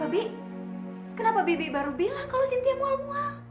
apa bi kenapa bi bi baru bilang kalo cynthia mual mual